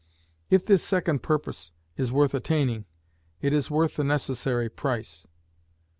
If this second purpose is worth attaining, it is worth the necessary price.